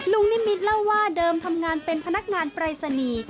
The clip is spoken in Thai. นิมิตรเล่าว่าเดิมทำงานเป็นพนักงานปรายศนีย์